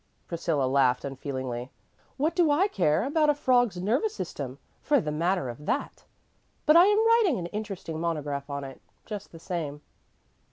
Priscilla laughed unfeelingly. "What do I care about a frog's nervous system, for the matter of that? But I am writing an interesting monograph on it, just the same."